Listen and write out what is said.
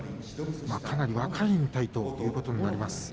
かなり若い引退ということになります。